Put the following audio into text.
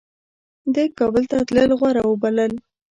ده کابل ته تلل غوره وبلل.